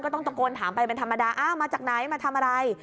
ก็ต้องตรงกลถามไปเป็นธรรมดามาจากไหนมาทำอะไร